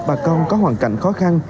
bà con có hoàn cảnh khó khăn